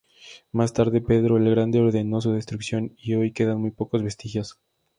Más tarde, Pedro el Grande ordenó su destrucción y, hoy quedan muy pocos vestigios.